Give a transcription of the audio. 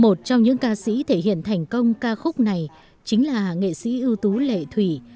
một trong những ca sĩ thể hiện thành công ca khúc này chính là nghệ sĩ ưu tú lệ thủy